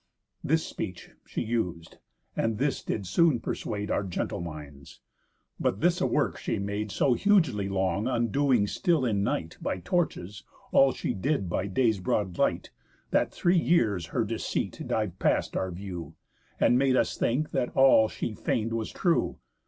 This speech she us'd; and this did soon persuade Our gentle minds. But this a work she made So hugely long, undoing still in night, By torches, all she did by day's broad light, That three years her deceit div'd past our view, And made us think that all she feign'd was true.